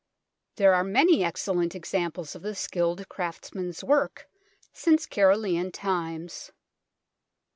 There are many excellent ex amples of the skilled craftsman's work since Carolian times.